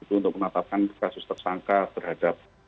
untuk menetapkan kasus tersangka terhadap